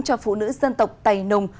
cho phụ nữ dân tộc tày nùng